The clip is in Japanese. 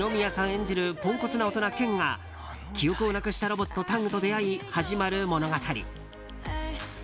演じるポンコツな大人・健が記憶をなくしたロボットタングと出会い始まる物語。